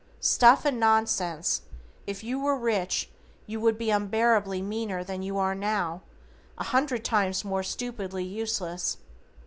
Stuff and nonsense, if you were rich you would be unbearably meaner than you are now, a hundred times more stupidly useless.